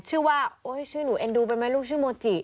ชื่อว่าโอ๊ยชื่อหนูเอ็นดูไปไหมลูกชื่อโมจิ